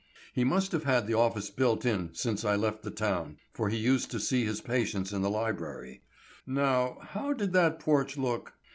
He must have had the office built in since I left the town, for he used to see his patients in the library. Now, how did that porch look?